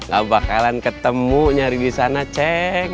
gak bakalan ketemu nyari disana ceng